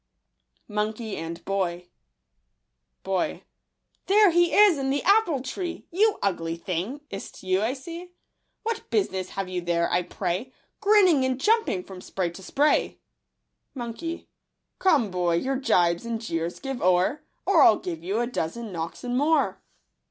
b Digitized by Google II T Boy .—" There he is in the apple tree ! You ugly thing, is't you I see ? What business have you there, I pray, Grinning and jumping from spray to spray?" . Monkey .—" Come, boy, your jibes and jeers give Or I'll give you a dozen knocks and more."